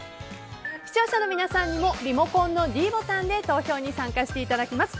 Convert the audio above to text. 視聴者の皆さんにもリモコンのｄボタンで投票に参加していただきます。